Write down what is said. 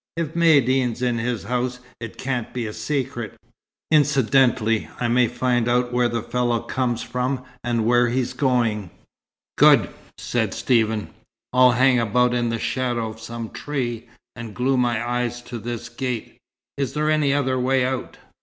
If Maïeddine's in his house it can't be a secret incidentally I may find out where the fellow comes from and where he's going." "Good!" said Stephen. "I'll hang about in the shadow of some tree and glue my eye to this gate. Is there any other way out?"